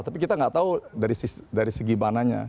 tapi kita nggak tahu dari segi mananya